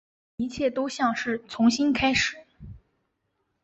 一切都像是重新开始